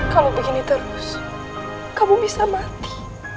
kalau begini terus kamu bisa mati